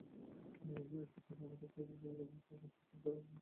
একই সাথে আমার সুস্বাদু জ্যাফা কেক আস্বাদন করার মুহূর্তটাও বরবাদ করছেন!